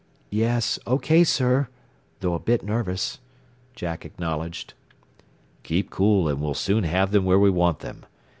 "Yes, O K, sir, though a bit nervous," Jack acknowledged. "Keep cool and we'll soon have them where we want them.